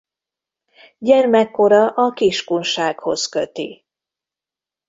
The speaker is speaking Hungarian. Gyermekkora a Kiskunsághoz köti.